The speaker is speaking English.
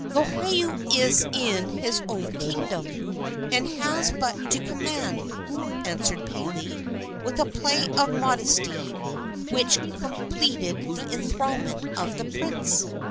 "Lohiau is in his own kingdom, and has but to command," answered Pele, with a play of modesty which completed the enthralment of the prince.